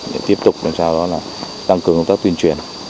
để tiếp tục làm sao đó là tăng cường công tác tuyên truyền